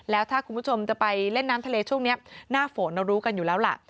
แล้วถ้าคุณผู้ชมจะไปเล่นน้ำทะเลช่วงนี้หน้าฝนเรารู้กันอยู่แล้วล่ะ